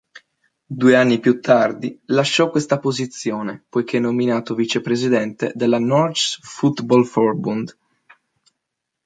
Due anni più tardi, lasciò questa posizione poiché nominato vicepresidente della "Norges Fotballforbund".